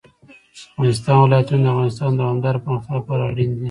د افغانستان ولايتونه د افغانستان د دوامداره پرمختګ لپاره اړین دي.